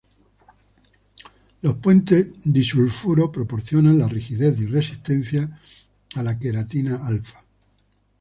Los puentes disulfuro proporcionan la rigidez y resistencia a la queratina alfa.